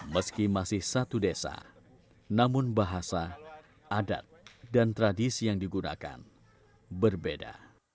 meski masih satu desa namun bahasa adat dan tradisi yang digunakan berbeda